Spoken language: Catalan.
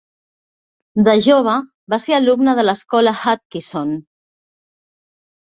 De jove, va ser alumne de l'escola Hutchison.